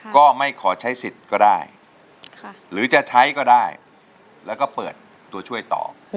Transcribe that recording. ก็ไม่ขอใช้สิทธิ์ก็ได้หรือจะใช้ก็ได้แล้วก็เปิดตัวช่วยต่อ